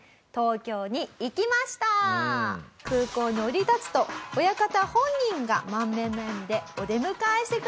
空港に降り立つと親方本人が満面の笑みでお出迎えしてくれました。